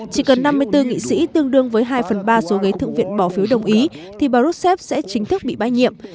chỉ cần năm mươi bốn nghị sĩ tương đương với hai phần ba số ghế thượng viện bỏ phiếu đồng ý thì bà rushav sẽ chính thức bị bãi nhiệm